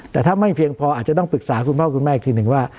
แต่ถ้าไม่เพียงพออาจจะต้องปรึกษาคุณพ่อคุณแม่อีกทีหนึ่งว่า